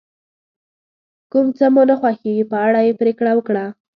کوم څه مو نه خوښیږي په اړه یې پرېکړه وکړه.